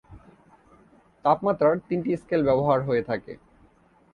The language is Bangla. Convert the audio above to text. তাপমাত্রার তিনটি স্কেল ব্যবহার হয়ে থাকে।